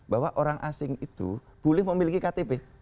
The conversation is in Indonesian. bahwa orang asing itu boleh memiliki ktp